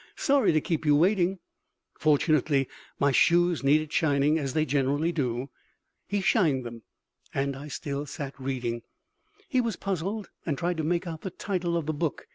"Sorry to keep you waiting." Fortunately my shoes needed shining, as they generally do. He shined them, and I still sat reading. He was puzzled, and tried to make out the title of the book.